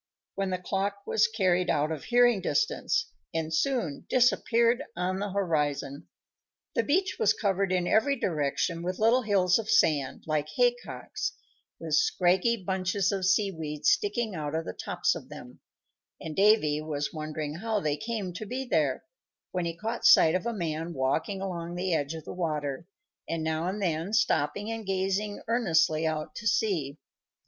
when the clock was carried out of hearing distance, and soon disappeared on the horizon. The beach was covered in every direction with little hills of sand, like haycocks, with scraggy bunches of sea weed sticking out of the tops of them; and Davy was wondering how they came to be there, when he caught sight of a man walking along the edge of the water, and now and then stopping and gazing earnestly out to sea.